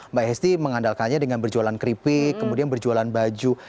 mbak hesti mengandalkannya dengan berjualan keripik kemudian berjualan baju